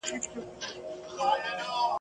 یو ځل دي قبلې ته در بللی وای !.